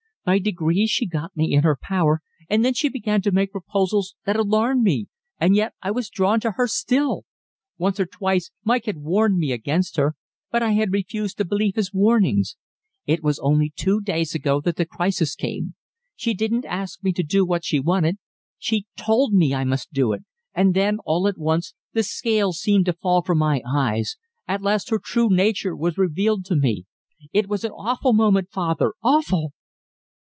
By degrees she got me in her power, and then she began to make proposals that alarmed me and yet I was drawn to her still. Once or twice Mike had warned me against her, but I had refused to believe his warnings. It was only two days ago that the crisis came. She didn't ask me to do what she wanted; she told me I must do it and then, all at once, the scales seemed to fall from my eyes. At last her true nature was revealed to me. It was an awful moment, father awful!"